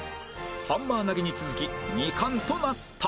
ハンマー投げに続き２冠となった